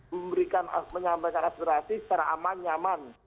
memberikan menyampaikan aspirasi secara aman nyaman